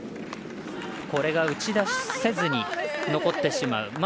これが打ち出せずに残ってしまう。